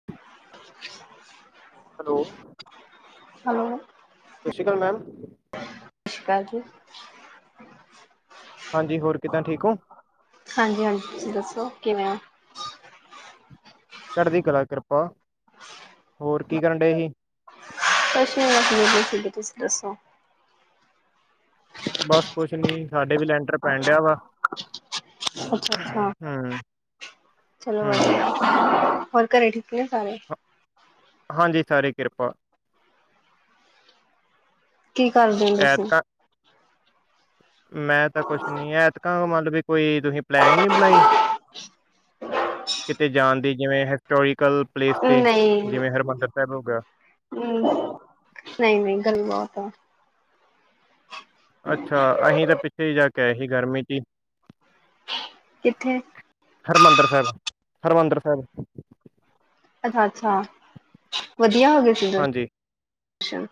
[inaudible] Hello. Hello. ਸਤਿ ਸ਼੍ਰੀ ਅਕਾਲ ਮੈਮ। [inaudible] ਹਾਂਜੀ, ਹੋਰ ਕਿੱਦਾਂ ਠੀਕ ਓ। ਹਾਂਜੀ-ਹਾਂਜੀ, ਤੁਸੀਂ ਦੱਸੋ ਕਿਵੇਂ ਆ। ਚੜਦੀ ਕਲਾ ਕਿਰਪਾ, ਹੋਰ ਕੀ ਕਰਨ ਡਏ ਸੀ। ਕੁਛ ਨੀ [unintelligible] ਤੁਸੀਂ ਦੱਸੋ। ਬਸ ਕੁੱਛ ਨੀ ਸਾਡੇ ਵੀ ਲੈਂਟਰ ਪੈਣ ਡਿਆ ਵਾ। ਅੱਛਾ-ਅੱਛਾ, ਹਮ ਚਲੋ ਹਮ ਵਧੀਆ। ਹੋਰ ਘਰੇ ਠੀਕ ਨੇ ਸਾਰੇ। ਹਾਂਜੀ, ਤਾਰੀ ਕਿਰਪਾ। ਕੀ ਕਰਦੇ ਓ ਤੁਸੀਂ? ਐਤਕਾਂ ਮੈਂ ਤਾਂ ਕੁਛ ਨੀ ਐਤਕਾਂ ਮਤਲਬ ਵੀ ਕੋਈ ਤੁਸੀਂ ਪਲਨਿੰਗ ਨੀ ਬਣਾਈ? ਕਿਤੇ ਜਾਣ ਦੀ ਜਿਵੇਂ ਹਿਸਟੋਰੀਕਲ ਪਲੇਸ ਤੇ ਜਿਵੇਂ ਹਰਿਮੰਦਰ ਸਾਹਿਬ ਹੋ ਗਿਆ। ਹਮ ਨਈ-ਨਈ ਗੱਲ ਬਾਤ ਆ। ਅੱਛਾ ਅਹੀ ਤਾਂ ਪਿੱਛੇ ਹੀ ਜਾ ਕੇ ਆਏ ਸੀ ਗਰਮੀ ਚ ਹੀ ਕਿੱਥੇ? ਹਰਿਮੰਦਰ ਸਾਹਿਬ- ਹਰਿਮੰਦਰ ਸਾਹਿਬ। ਅੱਛਾ-ਅੱਛਾ, ਵਧੀਆ ਹੋ ਗਏ ਸੀ ਦਰ ਹਾਂਜੀ ਸ਼ਨ।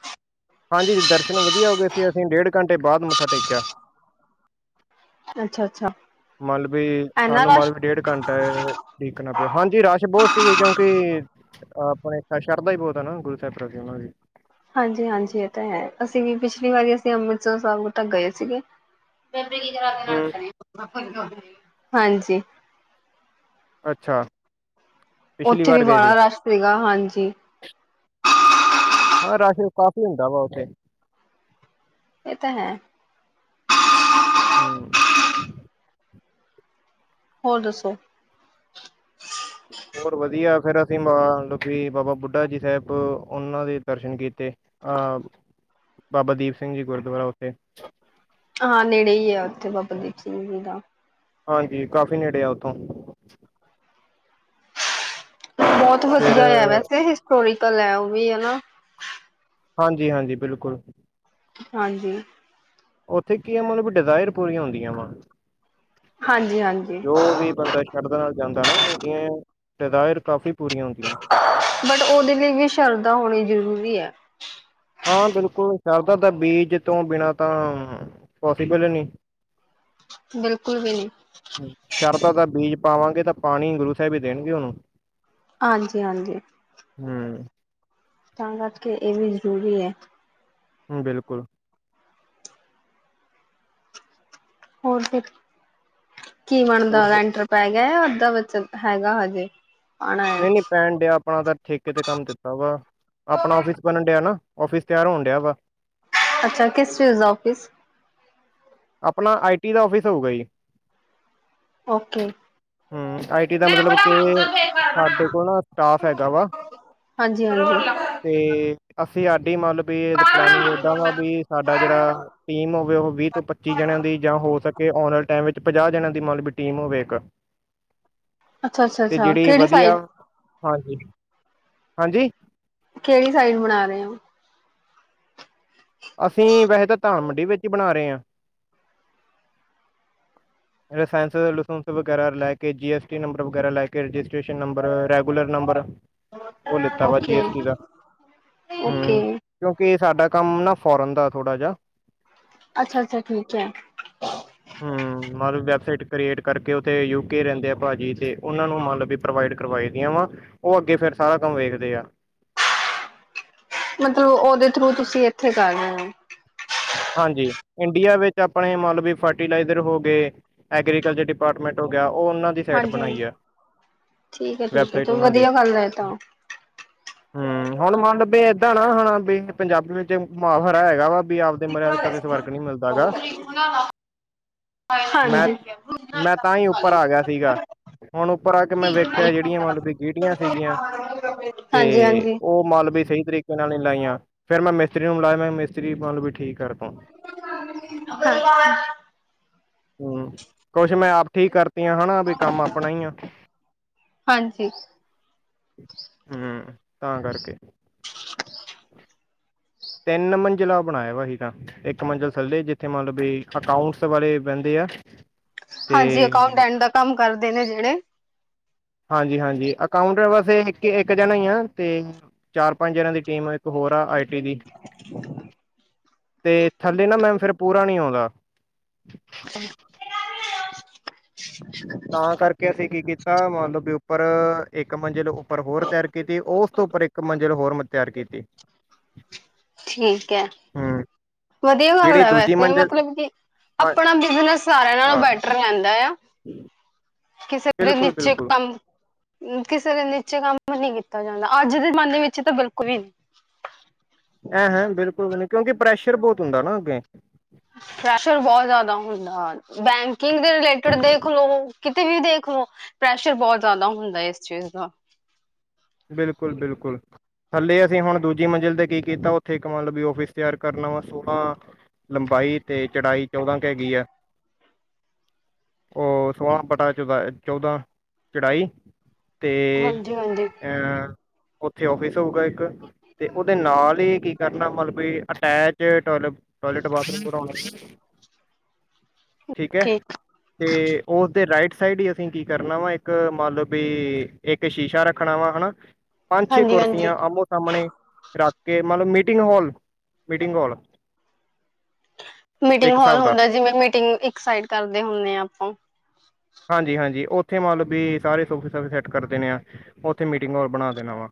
ਹਾਂਜੀ, ਦਰਸ਼ਨ ਵਧੀਆ ਹੋ ਗਏ ਸੀ। ਅਸੀਂ ਡੇਢ ਘੰਟੇ ਬਾਅਦ ਮੱਥਾ ਟੇਕਿਆ। ਅੱਛਾ-ਅੱਛਾ। ਮਲਬੇ ਸਾਨੂੰ ਮਤਲਬ ਡੇਢ ਘੰਟ ਨੇ ਟੇਕਣਾ ਪਿਆ। ਹਾਂਜੀ, ਰਾਸ਼ ਬੋਤ ਸੀ ਕਿਉਂਕਿ ਆਪਣੇ ਸ਼ਰਧਾ ਹੀ ਬੋਤ ਆ ਨਾ, ਗੁਰੂ ਸਾਹਿਬ ਪ੍ਰਤੀ ਉਹਨਾਂ ਦੀ। ਹਾਂਜੀ-ਹਾਂਜੀ ਏਹ ਤਾਂ ਹੈ। ਅਸੀਂ ਵੀ ਪਿਛਲੀ ਵਾਰੀ ਅਸੀ ਅੰਮ੍ਰਿਤਸਰ ਸਾਹਿਬ ਤੱਕ ਗਏ ਸੀਗੇ। ਹੂੰ ਹਾਂਜੀ। ਅੱਛਾ। ਪਿਛਲੀ ਉੱਥੇ ਵਾਰ ਵੀ ਗਏ ਸੀ ਬੜਾ ਰਸ਼ ਸੀਗਾ, ਹਾਂਜੀ। ਹਾਂ ਰਾਸ਼ ਕਾਫ਼ੀ ਹੁੰਦਾ ਵਾ ਉੱਥੇ। ਏਹ ਤਾਂ ਹੈ। ਹੂੰ। ਹੋਰ ਦੱਸੋ? ਹੋਰ ਵਧੀਆ, ਫਿਰ ਅਸੀਂ ਮਨ ਲੋ ਕਿ ਬਾਬਾ ਬੁੱਢਾ ਜੀ ਸਾਹਿਬ, ਓਨਾਂ ਦੇ ਦਰਸ਼ਨ ਕੀਤੇ। ਅਹ 'ਬਾਬਾ ਦੀਪ ਸਿੰਘ ਜੀ ਗੁਰਦੁਆਰਾ ਓਥੇ। ਹਾਂ ਨੇੜੇ ਈ ਆ, ਓਥੇ ਬਾਬਾ ਦੀਪ ਸਿੰਘ ਜੀ ਦਾ। ਹਾਂਜੀ, ਕਾਫੀ ਨੇੜੇ ਆ ਉੱਥੋਂ। ਬਹੁਤ ਫਿਰ ਵਧੀਆ ਐ, ਵੈਸੇ ਹਿਸਟੋਰੀਕਲ ਐ, ਉਹ ਵੀ ਹੈਨਾ। ਹਾਂਜੀ-ਹਾਂਜੀ, ਬਿਲਕੁਲ। ਹਾਂਜੀ। ਓਥੇ ਕੀ ਆ ਮਤਲਬ ਡਿਜ਼ਾਇਰ ਪੂਰੀਆਂ ਹੁੰਦੀਆਂ ਵਾ, ਹਾਂਜੀ ਹਾਂਜੀ ਜੋ ਵੀ ਬੰਦਾ ਸ਼ਰਧਾ ਨਾਲ ਜਾਂਦਾ ਨਾ, ਓਦੀਆਂ ਡਿਜਾਇਰ ਕਾਫੀ ਪੂਰੀਆਂ ਹੁੰਦੀਆਂ। ਬਟ ਓਦੇ ਲਈ ਵੀ, ਸ਼ਰਧਾ ਹੋਣੀ ਜ਼ਰੂਰੀ ਆ। ਹਾਂ ਬਿਲਕੁਲ, ਸ਼ਰਦਾ ਦਾ ਬੀਜ ਤੋਂ ਬਿਨਾਂ ਤਾਂ ਪੋਸੀਬਲ ਨੀ। ਬਿਲਕੁਲ ਵੀ ਨੀ। ਸ਼ਰਦਾ ਦਾ ਬੀਜ ਪਾਵਾਂਗੇ ਤਾਂ ਪਾਣੀ ਗੁਰੂ ਸਾਹਿਬ ਹੀ ਦੇਣਗੇ ਉਹਨੂੰ। ਹਾਂਜੀ-ਹਾਂਜੀ। ਹੂ ਤਾਂ ਕਰ ਕੇ ਇਹ ਵੀ ਜ਼ਰੂਰੀ ਹੈ। ਬਿਲਕੁਲ। ਹੋਰ ਫਿਰ, ਕੀ ਹੋਰ ਬਣਦਾ ਬ- ਲੈਂਟਰ ਪੈ ਗਿਆ ਅੱਧਾ ਬਨ ਹੈਗਾ ਹਜੇ?? ਆਣਾ ਹੈ ਨਹੀਂ- ਨਹੀਂ ਪੈਣ ਡਿਆ। ਆਪਣਾ ਤਾਂ ਠੇਕੇ ਤੇ ਕੰਮ ਦਿੱਤਾ ਵਾ। ਆਪਣਾ ਆਫਿਸ ਬਣਨ ਡਿਆ ਨਾ। ਆਫਿਸ ਤਿਆਰ ਹੋਣ ਡਿਆ ਵਾ। ਅੱਛਾ। ਕਿਸ ਚੀਜ਼ ਦਾ ਔਫਿਸ? ਆਪਣਾ 'ਆਈ ਟੀ ਦਾ ਆਫਿਸ ਹੋਊਗਾ ਜੀ। ਓਕੇ। ਹੂ, ਆਈ ਟੀ ਦਾ ਮੈਂ ਮਤਲਬ ਬਣਾਵਾਂ ਕਿੰਨੇ, ਉਹਦਾ ਬੇਕਾਰ ਸਾਡੇ ਬਣਾਵਾਂ। ਕੋਲ ਨਾ ਸਟਾਫ ਹੈਗਾ ਵਾ। ਹਾਂਜੀ -ਹਾਂਜੀ। ਤੇ, ਅਸੀਂ ਸਾਡੀ ਮੰਨ ਵੀ, ਪਲੈਨਿੰਗ ਏਦਾਂ ਵਾ ਵੀ ਸਾਡਾ ਹਾਂਜੀ। ਜਿਹੜਾ ਟੀਮ ਹੋਵੇ ਉਹ ਵੀ ਪੱਚੀ ਜਣਿਆਂ ਦੀ ਜਾਂ ਹੋ ਸਕੇ ਆਉਣ ਵਾਲੇ ਟਾਈਮ ਵਿੱਚ ਪੰਜਾਹ ਜਣਿਆਂ ਦੀ ਮਤਲਬ ਟੀਮ ਹੋਵੇ ਇੱਕ। ਅੱਛਾ- ਅੱਛਾ- ਅੱਛਾ ਕਿਹੜੀ ਸਾਈਡ? ਹਾਂਜੀ-ਹਾਂਜੀ। ਕਿਹੜੀ ਸਾਈਡ ਬਣਾ ਰਹੇ ਹੋ? ਅਸੀਂ ਵੈਸੇ ਤਾਂਧਾਨ ਮੰਡੀ ਵਿੱਚ ਹੀ ਬਣਾ ਰਹੇ ਹਾਂ। ਲਾਇਸੈਂਸ- ਲਾਸੁਂਸ ਵਗੈਰਾ ਲੈ ਕੇ, ਜੀਟੀ ਨੰਬਰ ਵਗਰਾ ਲੈ ਕੇ, ਰਿਸਟਸ਼ਨ ਨੰਬਰ, ਰੈਗੂਲਰ ਨੰਬਰ। ਉਹ ਲਿੱਤਾ ਵਾ ਓਕੇ ਜੀ ਐਸ ਟੀ ਦਾ। ਓਕੇ ਹੂ ਕਿਉਂਕਿ ਸਾਡਾ ਕੰਮ ਨਾ ਫੋਰਨ ਦਾ ਥੋੜਾ ਜਿਹਾ। ਅੱਛਾ- ਅੱਛਾ, ਠੀਕ ਹੈ। ਹ [inaudible] ਹੂੰ, ਮਤਲਬ ਵੈਬਸਾਈਟ ਕ੍ਰੀਏਟ ਕਰਕੇ ਉੱਥੇ ਯੂਕੇ ਰਹਿੰਦੇ ਆ ਭਾਅ ਜੀ ਅਤੇ ਉਹਨਾਂ ਨੂੰ ਮੰਤ ਲਬ ਵੀ ਪ੍ਰੋਵਾਈਡ ਕਰਵਾਈ ਦੀਆਂ ਵਾ। ਉਹ ਅੱਗੇ ਫੇਰ ਸਾਰਾ ਕੰਮ ਵੇਖਦੇ ਆ। ਮਤਲਬ ਉਹਦੇ ਥਰੂ ਤੁਸੀਂ ਇੱਥੇ ਕਰ ਰਹੇ ਹੋ? ਹਾਂਜੀ। ਇੰਡੀਆ ਵਿੱਚ ਆਪਣੇ ਮਤਲਬ ਫਰਟੀਲਾਈਜ਼ਰ ਹੋ ਗਏ। ਐਗਰੀਕਲਚਰ ਡਿਪਾਰਟਮੈਂਟ ਹੋ ਗਿਆ। ਉਹ ਉਹਨਾਂ ਦੀ ਸਾਈਟ ਹਾਂਜੀ-ਹਾਂਜੀ ਬਣਾਈ ਹੈ। ਠੀਕ ਹੈ ਠੀਕ ਹੈ ਚ ਵੈਬਸਾਈਟ ਉਹ ਦੀ ਵਧੀਆ ਗੱਲ ਹੈ ਇਹ ਤਾਂ ਹੂ, ਹੁਣ ਮੰਨ ਲ ਵੀ ਏਦਾਂ ਨਾ ਹੁਣਾ ਵੀ ਪੰਜਾਬੀ ਵਿੱਚ ਮੁਆਫ਼ਰਾ ਹੈਗਾ ਵਾ ਵੀ ਆਪ ਮਰਿਆ ਕਦੇ ਸਵਰਕ ਨਹੀਂ ਮਿਲਦਾ ਹੈ ਗਾ। ਮੈਂ- ਹਾਂਜੀ ਮੈਂ ਤਾਂ ਹੀ ਉੱਪਰ ਆ ਗਿਆ ਸੀਗਾ। ਹੁਣ ਉੱਪਰ ਆ ਕੇ ਮੈਂ ਵੇਖਿਆ ਜਿਹੜੀਆਂ ਮਤਲਬ ਕਿ ਗੀਟੀਆਂ ਸੀਗੀਆਂ। ਤੇ ਹਾਂਜੀ-ਹਾਂਜੀ ਉਹ ਮੱਲ ਵੀ ਸਹੀ ਤਰੀਕੇ ਨਾਲ ਨਹੀਂ ਲਾਈਆਂ। ਫੇਰ ਮੈਂ ਮਿਸਤਰੀ ਨੂੰ ਬੁਲਾਾਇਆ ਮੈਂ ਮਿਸਤਰੀ ਮੱਲ ਵੀ ਠੀਕ ਕਰਦਾ। [unintelligible] ਹੂ, ਕੁਛ ਮੈਂ ਆਪ ਠੀਕ ਕਰ ਪਿਆ ਹੈਣਾ ਵੀ ਕੰਮ ਆਪਣਾ ਹੀ ਈ ਆ। ਹਾਂਜੀ-ਹਾਂਜੀ ਹੂ, ਤਾਂ ਕਰਕੇ। [inaudible] ਤਿੰਨ ਮੰਜਲਾ ਬਣਾਇਆ ਭਾਜੀ ਤਾਂ। ਇੱਕ ਮੰਜ਼ਿਲ ਥੱਲੇ ਜਿੱਥੇ ਮਤਲਬ ਵੀ ਅਕਾਊਟਸ ਵਾਲੇ ਬਹਿੰਦੇ ਆ। ਤੇ ਹਾਂਜੀ। ਅਕਾਊਂਟੈਂਟ ਦਾ ਕੰਮ ਕਰਦੇ ਨੇ ਜਿਹੜੇ। ਹਾਂਜੀ- ਹਾਂਜੀ। ਅਕਾਊਂਟ ਵਸੇ ਇੱਕ ਇੱਕ ਜਾਣਾ ਹੀ ਆ। ਤੇ ਚਾਰ-ਪੰਜ ਜਾਣਿਆ ਦੀ ਟੀਮ ਇੱਕ ਹੋਰ ਆ ਆਈ ਟੀ ਦੀ ਤੇ ਥੱਲੇ ਨਾ ਮੈਮ ਫਿਰ ਪੂਰਾ ਨੀ ਆਉਂਦਾ। [unintelligible] ਤਾਂ ਕਰਕੇ ਅਸੀਂ ਕੀ ਕੀਤਾ ਮਤਲਬ ਵੀ ਉੱਪਰ ਇੱਕ ਮੰਜਿਲ ਨੂੰ ਉੱਪਰ ਹੋਰ ਤਿਆਰ ਕੀਤੀ ਉਹ ਉਸ ਤੋਂ ਉੱਪਰ ਇੱਕ ਮੰਜ਼ਿਲ ਹੋਰ ਤਿਆਰ ਕੀਤੀ। ਠੀਕ ਹੈ, ਹੂੰ ਵਧੀਆ ਗੱਲ ਜਿਹੜੀ ਹੈ, ਦੂਜੀ ਵੈਸੇ ਮੰਜ਼ਿਲ ਮਤਲਬ ਕੀ ਹਾਂ ਆਪਣਾ ਬਿਜਨਸ ਸਾਰਿਆਂ ਨਾਲੋਂ ਹਾਂ ਬੈਟਰ ਰਹਿੰਦਾ ਆ। [inaudible] ਕਿਸੇ ਦੇ ਬਿਲਕੁਲ ਨੀਚੇ ਬਿਲਕੁਲ ਕੰਮ ਕਿਸੇ ਦੇ ਨੀਚੇ ਕੰਮ ਨੀ ਕੀਤਾ ਜਾਂਦਾ, ਅੱਜ ਦੇ ਜ਼ਮਾਨੇ ਵਿੱਚ ਤਾਂ ਬਿਲਕੁਲ ਹੀ ਨਹੀਂ। [inaudible] ਐਂ ਹੈ, ਬਿਲਕੁਲ-ਬਿਲਕੁਲ ਕਿਉਂਕਿ ਪ੍ਰੈਸ਼ਰ ਬਹੁਤ ਹੁੰਦਾ ਨਾ ਅੱਗੇ। ਪ੍ਰੈਸ਼ਰ ਬਹੁਤ ਜ਼ਿਆਦਾ ਹੁੰਦਾ, ਬੈਂਕਿੰਗ ਦੇ ਰਿਲੇਟਿਡ ਦੇਖ ਲੋ ਕਿਤੇ ਵੀ ਦੇਖ ਲੋ ਪ੍ਰੈਸ਼ਰ ਬਹੁਤ ਜ਼ਿਆਦਾ ਹੁੰਦਾ ਇਸ ਚੀਜ਼ ਦਾ। ਬਿਲਕੁਲ-ਬਿਲਕੁਲ। ਥੱਲੇ ਅਸੀਂ ਹੁਣ ਦੂਜੀ ਮੰਜ਼ਿਲ ਤੇ ਕੀ ਕੀਤਾ, ਉੱਥੇ ਇੱਕ ਮਤਲਬ ਵੀ ਓਫਿਸ ਤਿਆਰ ਕਰਨਾ ਵਾ ਸੋਲਾਂ- ਲੰਬਾਈ ਤੇ ਚੜਾਈ ਚੌਦਾਂ ਕ ਹੈਗੀ ਆ ਉਹ ਸੋਲਾਂ ਬਟਾ ਚੌਦਾ ਚੌਦਾਂ ਚੜਾਈ ਤੇ ਹਾਂਜੀ ਹਾਂਜੀ ਅ ਉੱਥੇ ਓਫਿਸ ਹੋਊਗਾ ਇੱਕ, ਤੇ ਉਹਦੇ ਨਾਲ ਹੀ ਕੀ ਕਰਨਾ ਮਤਲਬ ਅਟੈਚ ਟ ਟਾਇਲਟ ਬਾਥਰੂਮ ਬਣਾਉਣਾ। ਠੀਕ ਏ? ਤੇ ਉਸਦੇ ਰਾਈਟ ਸਾਈਡ ਹੀ ਅਸੀਂ ਕੀ ਕਰਨਾ ਵਾ? ਇੱਕ ਮਨਲਬ ਵੀ ਇੱਕ ਸ਼ੀਸ਼ਾ ਰੱਖ ਰੱਖਣਾ ਵਾ ਹਨਾ? ਪੰਜ ਛੇ ਹਾਂਜੀ ਹਾਂਜੀ ਕੁਰਸੀਆਂ ਆਮੋ-ਸਾਹਮਣੇ ਰੱਖ ਕੇ ਮਤਲਬ meeting hall, meeting hall meeting ਇੱਕ ਹਾਲ ਹਿਸਾਬ ਦਾ ਹੁੰਦਾ, ਜਿਵੇਂ ਮੀਟਿੰਗ ਇੱਕ ਸਾਈਡ ਕਰਦੇ ਹੁੰਦੇ ਆ ਆਪਾਂ। ਹਾਂਜੀ-ਹਾਂਜੀ, ਉੱਥੇ ਮਤਲਬ ਵੀ ਸਾਰੇ ਸੋਫ ਸਫੇ ਸੈਟ ਕਰਦੇ ਨੇ ਆ ਉੱਥੇ ਮੀਟਿੰਗ ਹੋਲ ਬਣਾ ਦੇਣਾ ਵਾ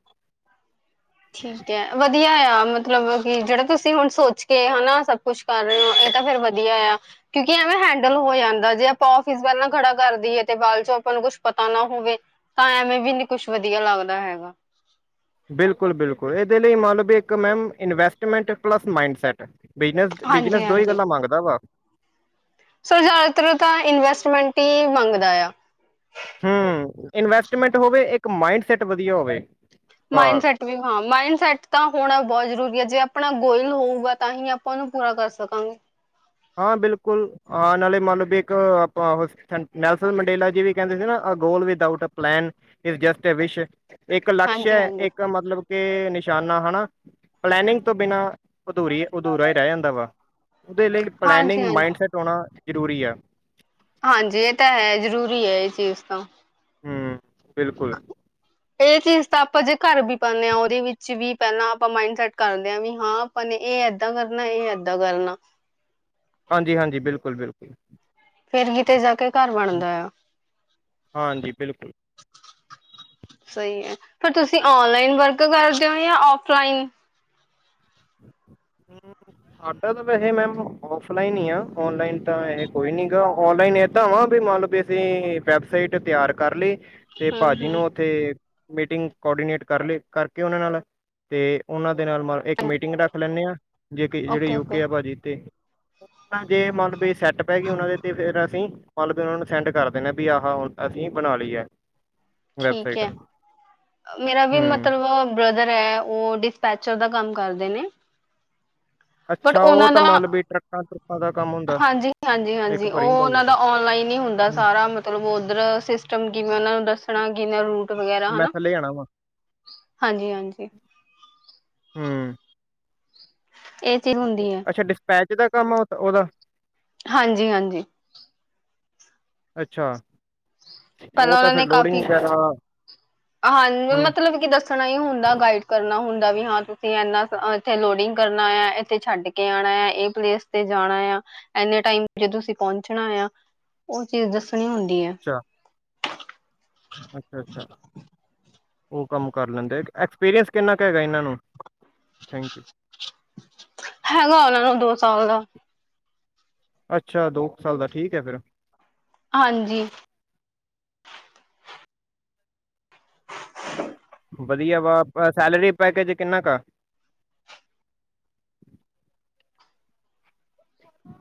ਠੀਕ ਹੈ, ਵਧੀਆ ਆ ਮਤਲਬ ਕਿ ਜਿਹੜਾ ਤੁਸੀਂ ਹੁਣ ਸੋਚ ਕੇ ਹਨਾ ਸਭ ਕੁਛ ਕਰ ਰਹੇ ਓ, ਇਹ ਤਾਂ ਫੇਰ ਵਧੀਆ ਆ। ਕਿਉਂਕਿ ਐਵੇਂ ਹੈਂਡਲ ਹੋ ਜਾਂਦਾ ਜੇ ਆਪਾਂ ਔਫਿਸ ਵਲ ਨੂੰ ਖੜਾ ਕਰਦੀ ਹੈ ਤੇ ਬਾਅਦ ਚੋਂ ਆਪਾਂ ਨੂੰ ਕੁਛ ਪਤਾ ਨਾ ਹੋਵੇ ਤਾਂ ਐਵੇਂ ਵੀ ਨੀ ਕੁਛ ਵਧੀਆ ਲੱਗਦਾ ਹੈਗਾ। ਬਿਲਕੁਲ-ਬਿਲਕੁਲ, ਇਹਦੇ ਲਈ ਮਤਲਬ ਇੱਕ ma'am investment plus mindset. Business ਹਾਂਜੀ ਬਿਜਨਸ ਦੋ ਹੀ ਹਾਂਜੀ ਗੱਲਾਂ ਮੰਗਦਾ ਵਾ। ਸੋ ਜ਼ਿਆਦਾਤਰ ਤਾਂ ਇਨਵੈਸਟਮੈਂਟ ਹੀ ਮੰਗਦਾ ਆ। ਹਮ, ਇਨਵੈਸਟਮੈਂਟ ਹੋਵੇ, ਇੱਕ ਮਾਇੰਡ ਸੈਟ ਵਧੀਆ ਹੋਵੇ। ਬਸ ਮਾਇੰਡਸੈਟ ਵੀ ਹਾਂ ਮਾਇੰਡ ਸੈਟ ਤਾਂ ਹੋਣਾ ਬਹੁਤ ਜਰੂਰੀ ਹੈ ਜੇ ਆਪਣਾ ਗੋਇਲ ਹੋਊਗਾ ਤਾਂ ਹੀ ਆਪਾਂ ਉਹਨੂੰ ਪੂਰਾ ਕਰ ਸਕਾਂਗੇ। ਹਾਂ, ਬਿਲਕੁਲ। ਆ ਨਾਲੇ ਮੰਨ ਲਓ ਵੀ ਇੱਕ ਆਪਾਂ ਨੈਲਸਨ ਮੰਡੇਲਾ ਜੀ ਵੀ ਕਹਿੰਦੇ ਸੀ ਨਾ goal without a plan just a wish ਇੱਕ ਲਕਸ਼ ਹਾਂਜੀ ਹੈ, ਹਾਂਜੀ ਇੱਕ ਮਤਲਬ ਕੇ ਨਿਸ਼ਾਨਾ ਹੈਨਾ? ਪਲੈਨਿੰਗ ਤੋਂ ਬਿਨਾਂ ਅਧੂਰੀ ਅਧੂਰਾ ਹੀ ਰਹਿ ਜਾਂਦਾ ਵਾ, ਉਹਦੇ ਲਈ ਹਾਂਜੀ ਪਲੈਨਿੰਗ, ਹਾਂਜੀ ਮਾਈਂਡਸੈਟ ਹੋਣਾ ਜ਼ਰੂਰੀ ਆ। ਹਾਂਜੀ, ਇਹ ਤਾਂ ਹੈ ਜ਼ਰੂਰੀ ਹੈ ਇਹ ਚੀਜ਼ ਤਾਂ। ਹਮ, ਬਿਲਕੁਲ। ਇਹ ਚੀਜ਼ ਤਾਂ ਆਪਾਂ ਜੇ ਘਰ ਵੀ ਪਾਉਨੇ ਆ ਓਹਦੇ ਵਿਚ ਵੀ ਪੇਲਾਂ ਮਾਇੰਡ ਸੈੱਟ ਕਰਦੇ ਹਾਂ, ਵੀ ਹਾਂ ਆਪਾਂ ਨੇ ਇਹ ਏਦਾਂ ਕਰਨਾ, ਇਹ ਏਦਾਂ ਕਰਨਾ। ਹਾਂਜੀ ਹਾਂਜੀ ਬਿਲਕੁਲ ਬਿਲਕੁਲ। ਫੇਰ ਕਿਤੇ ਜਾ ਕੇ ਘਰ ਬਣਦਾ ਯਾ। ਹਾਂਜੀ ਬਿਲਕੁਲ ਸਹੀ ਹੈ ਪਰ ਤੁਸੀਂ ਔਨਲਾਈਨ ਵਰਕ ਕਰਦੇ ੳਂ ਯਾ ੳਫਲਾਈਨ? ਸਾਡਾ ਤਾਂ ਵੈਸੇ ਮੈਮ ੳਫਲਾਈਨ ਹੀ ਆ ਔਨਲਾਈਨ ਤਾਂ ਇਹ ਕੋਈ ਨੀ ਗਾ ਔਨਲਾਈਨ ਇਦਾਂ ਵਾ ਵੀ ਮਨਲੋ ਤੇ ਵੈਬਸਾਈਟ ਤਿਆਰ ਕਰ ਲਈ ਤੇ ਹਮ ਭਾਜੀ ਹਮ ਨੂੰ ਉੱਥੇ ਮੀਟਿੰਗ ਕੋਰਡੀਨੇਟ ਕਰ ਲੇ ਕਰਕੇ ਉਹਨਾਂ ਨਾਲ ਤੇ ਉਹਨਾਂ ਦੇ ਨਾਲ ਮ ਇੱਕ ਮੀਟਿੰਗ ਰੱਖ ਲੈਂਨੇ ਆਂ ਜੇ ਕਿ ਜਿਹੜੇ ਓਕੇ ਓਕੇ ਯੂਕੇ ਆ ਭਾਜੀ ਤੇ ਜੇ ਮਤਲਬ ਇਹ ਸੈੱਟ ਪੈ ਗਈ ਉਹਨਾਂ ਦੇ ਤੇ ਫੇਰ ਅਸੀਂ ਮਤਲਬ ਵੀ ਉਹਨਾਂ ਨੂੰ ਸੈਂਡ ਕਰ ਦੇ ਨੇ ਆ ਵੀ ਆਹ ਅਸੀਂ ਬਣਾ ਲਈਐ। ਠੀਕ ਹੈ ਮੇਰਾ ਵੀ ਹੂੰ ਮਤਲਬ ਬ੍ਰਦਰ ਐ ੳ ਡਿਸਪੈਚਰ ਦਾ ਕੰਮ ਕਰਦੇ ਨੇ ਬਟ ਅੱਛਾ ਉਹ ਉਹਨਾਂ ਤਾਂ ਦਾ ਮੰਨ ਲਓ ਵੀ ਟਰੱਕਾਂ ਟਰੁੱਕਾਂ ਦਾ ਕੰਮ ਹੁੰਦਾ ਹਾਂਜੀ ਹਾਂਜੀ ਇੱਕ ਹਾਂਜੀ ਉਹ ਭਰੀ ਭਾਈ ਉਹਨਾ ਦਾ ਓਨਲਾਈਨ ਹੀ ਹੁੰਦੈ ਦਾ। ਸਾਰਾ ਮਤਲਬ ਉਧਰ ਸਿਸਟਮ ਕਿਵੇਂ ਉਹਨਾਂ ਨੂੰ ਦੱਸਣਾ ਕਿਨਾ ਰੂਟ ਵੀ ਵਗੈਰਾ ਮੈਂ ਹਨਾ। ਥੱਲੇ ਜਾਣਾ ਵਾ ਹਾਂਜੀ-ਹਾਂਜੀ। ਹੂੰ ਇਹ ਚੀਜ਼ ਹੁੰਦੀ ਐ ਅੱਛਾ ਡਿਸਪੈਚ ਦਾ ਕੰਮ ਆ ੳ ਉਹਦਾ? ਹਾਂਜੀ-ਹਾਂਜੀ। ਅੱਛਾ। ਉਹ ਪਹਿਲਾਂ ਤਾਂ ਉਹਨਾਂ ਫਿਰ ਨੇ ਲੋਡਿੰਗ ਕਾਫ਼ੀ ਵਗੈਰਾ ਹਾਂਨ ਹੂੰ। ਮਤਲਬ ਕੀ ਦੱਸੋ ਦੱਸਣਾ ਹੀ ਹੁੰਦਾ ਗਾਈਡ ਕਰਨਾ ਹੁੰਦਾ ਵੀ ਹਾਂ ਤੁਸੀਂ ਇੰਨਾ ਇੱਥੇ ਲੋਡਿੰਗ ਕਰਨਾ ਹੈ ਇੱਥੇ ਛੱਡ ਕੇ ਕੇ ਆਣੈ ਐ ਇਹ ਪਲੇਸ ਤੇ ਜਾਣਾ ਯਾ ਇਨੇ ਟਾਇਮ ਚ ਤੁਸੀਂ ਪਹੁੰਚਣਾ ਯਾ। ਉਹ ਚੀਜ਼ ਦੱਸਣੀ ਹੁੰਦੀ ਐ। ਅੱਛਾ-ਅੱਛਾ। ਉਹ ਕੰਮ ਕਰ ਲੈਂਦੇ ਐਕਸਪੀਰੀਅੰਸ ਕਿੰਨਾ ਕ ਹੈਗਾ ਇਹਨਾਂ ਨੂੰ ਥੈਂਕ ਯੂ। ਹੈਗਾ ਉਹਨਾਂ ਨੂੰ ਦੋ ਸਾਲ ਦਾ। ਅੱਛਾ ਦੋ ਕ ਸਾਲ ਦਾ ਠੀਕ ਐ ਫੇਰ। ਹਾਂਜੀ। ਵਧੀਆ ਵਾ ਸੈਲਰੀ ਪੈਕੇਜ ਕਿੰਨਾ ਕਾ?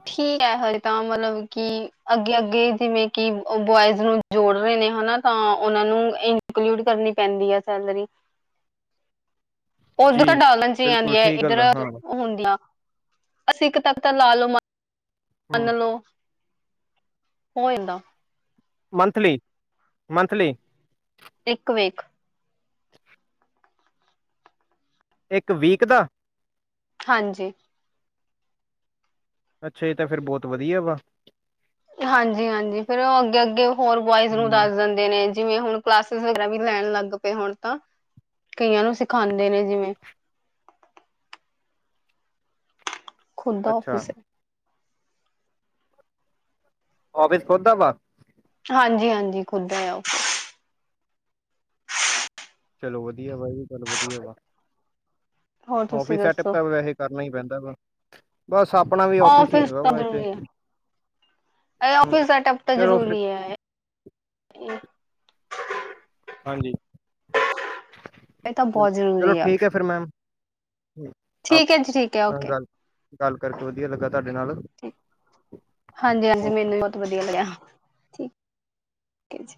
ਠੀਕ ਹੈ ਹਲੇ ਤਾਂ ਮਤਲਵ ਕੀ ਅੱਗੇ ਅੱਗੇ ਜਿਵੇਂ ਕਿ ਬੋਆਇਜ਼ ਨੂੰ ਜੋੜ ਰਹੇ ਨੇ ਹਨਾ ਤਾਂ ਉਹਨਾਂ ਨੂੰ ਇਨਕਲੂਡ ਕਰਨੀ ਪੈਂਦੀ ਆ ਸੈਲਰੀ। ਜੀ ਉਧਰ ਡਾਲਣ 'ਚ ਹੀ ਆਂਦੀ ਬਿਲਕੁਲ ਐ ਠੀਕ ਗੱਲ ਆ, ਇੱਧਰ ਹਾਂ ਹੁੰਦੀਆਂ। ਅਸੀਂ ਇੱਕ ਤੱਕ ਤਾਂ ਲਾ ਲੋ ਹੂੰ। ਮੰਨ ਲਓ ਹੋ ਜਾਂਦਾ। ਮੰਥਲੀ-ਮੰਥਲੀ। ਇੱਕ ਵੇਖ। ਇੱਕ ਵੀਕ ਦਾ। ਹਾਂਜੀ। ਅੱਛਾ! ਇਹ ਤਾਂ ਫੇਰ ਬਹੁਤ ਵਧੀਆ ਵਾ। ਹਾਂਜੀ! ਹਾਂਜੀ! ਫਿਰ ਉਹ ਅੱਗੇ ਅੱਗੇ ਹੋਰ ਬੁਆਇਜ਼ ਨੂੰ ਹੂੰ ਦੱਸਦਨ। ਦਿੰਦੇ ਨੇ ਜਿਵੇਂ ਹੁਣ ਕਲਾਸਿਸ ਵਗੈਰਾ ਵੀ ਲੈਣ ਲੱਗ ਪਏ ਹੁਣ ਤਾਂ। ਕਈਆਂ ਨੂੰ ਸਿਖਾਂਦੇ ਨੇ ਜਿਵੇਂ। ਖ਼ੁਦ ਦਾ ਅੱਛਾ ਔਫਿਸ ਐ। ਔਫਿਸ ਖ਼ੁਦ ਦਾ ਵਾ। ਹਾਂਜੀ ਹਾਂਜੀ ਖ਼ੁਲ ਦਾ ਏ ਔਫਿਸ। ਚਲੋ ਵਧੀਆ ਵਾ ਜੀ! ਚਲੋ ਵਧੀਆ ਵਾ। ਹੋਰ ਤੁਸੀਂ ਆਫਿਸ ਸੈਟਅਪ ਦੱਸੋ ਤਾਂ ਵੈਸੇ ਕਰਨਾ ਈ ਪੈਂਦਾ ਵਾ, ਬਸ ਆਪਣਾ ਵੀ ਔਫਿਸ ਹੀ ਹੈਗਾ ਵਾ ਇੱਥੇ। ਐ ਹੂੰ ਔਫਿਸ ਸੈਟਅਪ ਤਾਂ ਚਲੋ ਫਿਰ ਜ਼ਰੂਰੀ ਏ ਇਹ। ਹਾਂਜੀ! ਇਹ ਤਾਂ ਬਹੁਤ ਚਲੋ ਜ਼ਰੂਰੀ ਆ ਠੀਕ ਏ ਫਿਰ ਮੈਮ। ਹੂੰ ਆਪ ਠੀਕ ਹੈ ਜੀ ਠੀਕ ਹੈ ਓਕੇ ਗੱਲ ਗੱਲ ਕਰਕੇ ਵਧੀਆ ਲੱਗਾ ਤੁਹਾਡੇ ਨਾਲ। ਠੀਕ ਹਾਂਜੀ! ਓਕੇ ਹਾਂਜੀ! ਮੈਨੂੰ ਵੀ ਬਹੁਤ ਵਧੀਆ ਲੱਗਿਆ। ਠੀਕ ਓਕੇ ਜੀ।